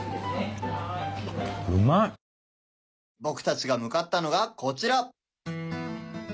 僕たちが向かったのがこちら！